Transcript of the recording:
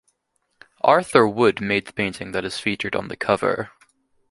Arthur Wood made the painting that is featured on the cover.